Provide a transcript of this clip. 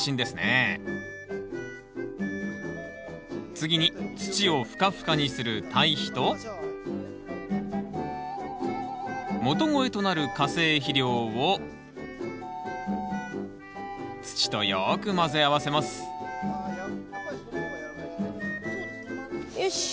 次に土をふかふかにする堆肥と元肥となる化成肥料を土とよく混ぜ合わせますよし。